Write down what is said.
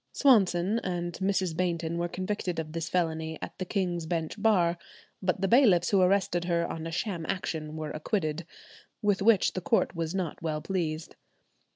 Swanson and Mrs. Bainton were convicted of this felony at the King's Bench Bar; but the bailiffs who arrested her on a sham action were acquitted, with which the court was not well pleased.